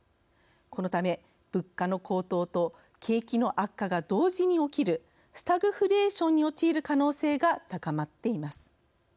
このため物価の高騰と景気の悪化が同時に起きるスタグフレーションに陥る可能性が高まっています。